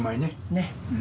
ねっ。